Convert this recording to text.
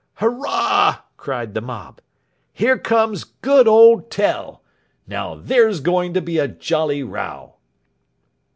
"Hurrah!" cried the mob; "here comes good old Tell! Now there's going to be a jolly row!"